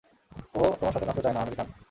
ও তোমার সাথে নাচতে চায় না, আমেরিকান।